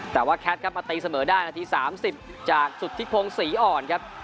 แต่ว่าแคทครับมาตีเสมอได้นาที๓๐จากสุธิพงศรีอ่อนครับ